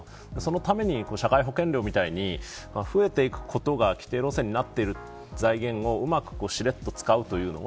そのために社会保険料みたいに増えていくことが既定路線になっている財源をうまく使うことが